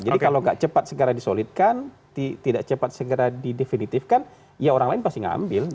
jadi kalau nggak cepat segera disolidkan tidak cepat segera didefinitifkan ya orang lain pasti ngambil